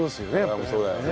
そうだよね。